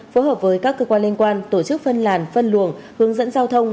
phối hợp với các cơ quan liên quan tổ chức phân làn phân luồng hướng dẫn giao thông